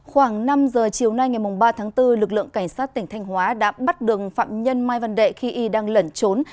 khoảng năm giờ chiều nay ngày ba tháng bốn lực lượng cảnh sát tỉnh thanh hóa đã bắt đường phạm nhân mai văn đệ khi y đang lẩn trốn